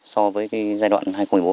so với giai đoạn hai nghìn một mươi bốn